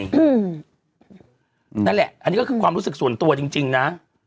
นั่นแหละอันนี้ก็คือความรู้สึกส่วนตัวจริงนะ